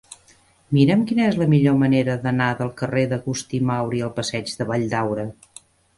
Mira'm quina és la millor manera d'anar del carrer d'Agustí Mauri al passeig de Valldaura.